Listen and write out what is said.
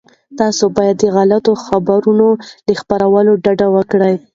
تاسي باید د غلطو خبرونو له خپرولو ډډه وکړئ.